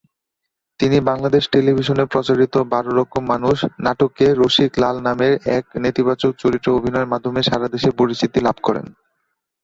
তিনি বাংলাদেশ টেলিভিশনে প্রচারিত "বারো রকম মানুষ" নাটকে রসিক লাল নামের এক নেতিবাচক চরিত্রে অভিনয়ের মাধ্যমে সারাদেশে পরিচিতি লাভ করেন।